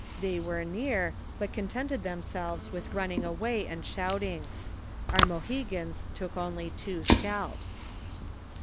They were near, but contented themselves with running away and shouting. Our Mohegans took only two scalps.